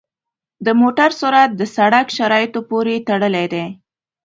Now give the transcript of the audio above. د موټر سرعت د سړک شرایطو پورې تړلی دی.